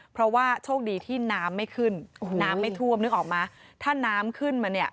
เพราะว่าโชคดีที่น้ำไม่ขึ้นน้ำไม่ท่วมนึกออกมาถ้าน้ำขึ้นมาเนี่ย